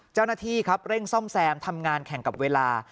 เจ้าหน้าที่ครับเร่งซ่อมแซมทำงานแข่งกับเวลา